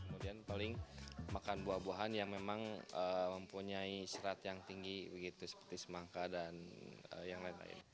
kemudian paling makan buah buahan yang memang mempunyai serat yang tinggi seperti semangka dan yang lain lain